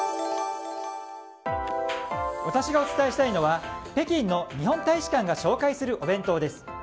私がお伝えしたいのは北京の日本大使館が紹介するお弁当です。